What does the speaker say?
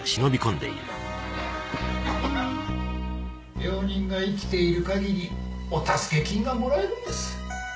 病人が生きているかぎりお助け金がもらえるんです・・